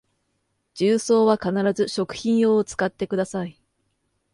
重曹は必ず食品用を使ってください